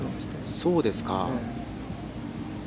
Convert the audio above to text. そうですか。